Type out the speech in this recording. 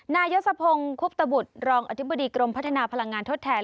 นายศพคุบตบุตรรองอธิบดีกรมพัฒนาพลังงานทดแทน